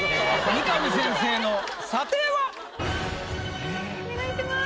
三上先生の査定は⁉お願いします。